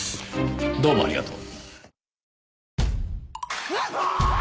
どうもありがとう。